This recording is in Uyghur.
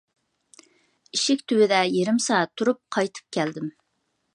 ئىشىك تۈۋىدە يېرىم سائەت تۇرۇپ قايتىپ كەلدىم.